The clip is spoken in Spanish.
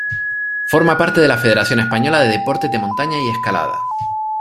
Forma parte de la Federación Española de Deportes de Montaña y Escalada.